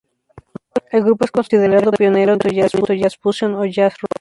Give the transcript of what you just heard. El grupo es considerado pionero del movimiento jazz fusión o Jazz Rock.